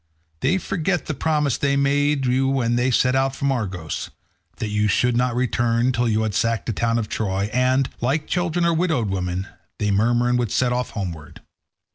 They forget the promise they made you when they set out from Argos, that you should not return till you had sacked the town of Troy, and, like children or widowed women, they murmur and would set off homeward.